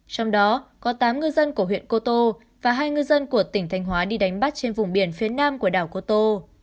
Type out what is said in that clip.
trong đó có tám ngư dân của huyện cô tô và hai ngư dân của tỉnh thanh hóa đi đánh bắt trên vùng biển phía nam của đảo cô tô